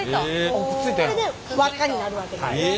これで輪っかになるわけです。